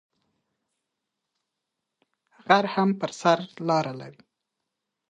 غر هم پر سر لار لری